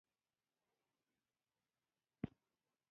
ډګروال وروځې پورته کړې او کتابچه یې له ځان سره کړه